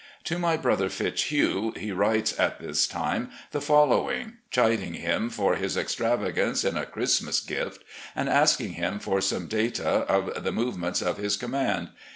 To my brother Fitzhugh he writes at this time the following, chiding him for his extravagance in a Christmas gift, and asking him for some data of the movements of his command.